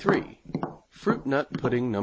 Fruit nut Pudding No.